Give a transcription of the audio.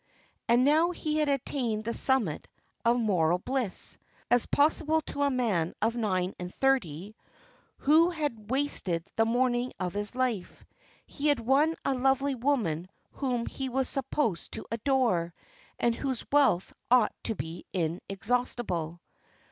And now he had attained the summit of mortal bliss, as possible to a man of nine and thirty, who had wasted the morning of life. He had won a lovely woman whom he was supposed to adore, and whose wealth ought to be inexhaustible.